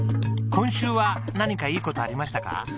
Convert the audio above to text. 今週は何かいい事ありましたか？